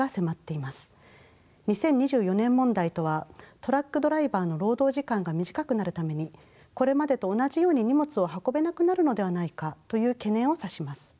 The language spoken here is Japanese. ２０２４年問題とはトラックドライバーの労働時間が短くなるためにこれまでと同じように荷物を運べなくなるのではないかという懸念を指します。